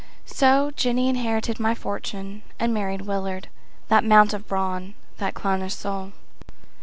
So Jenny inherited my fortune and married Willard— That mount of brawn! That clownish soul!